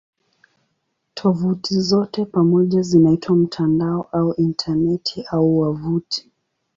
Tovuti zote pamoja zinaitwa "mtandao" au "Intaneti" au "wavuti".